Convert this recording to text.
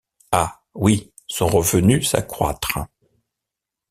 Ah! oui, son revenu s’accroître !